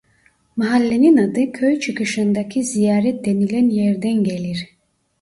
Mahallenin adı köy çıkışındaki "Ziyaret" denilen yerden gelir.